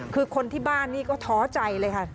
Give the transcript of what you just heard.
คือคนที่บ้านนี่ก็ท้อใจเลยค่ะ